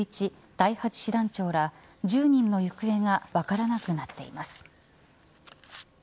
第８師団長ら１０人の行方が分からなくなっています。